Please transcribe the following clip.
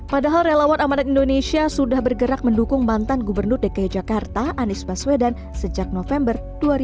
padahal relawan amanat indonesia sudah bergerak mendukung mantan gubernur dki jakarta anies baswedan sejak november dua ribu dua puluh